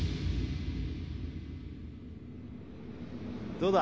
どうだ？